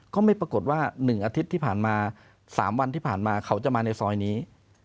ก็ไม่ปรากฏว่า๑อาทิตย์ที่ผ่านมา๓วันที่ผ่านมาเขาจะมาในซอยนี้